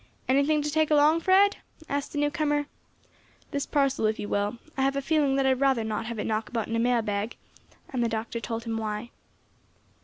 "Anything to take along, Fred?" asked the newcomer. "This parcel, if you will. I have a feeling that I'd rather not have it knock about in a mail bag," and the Doctor told him why.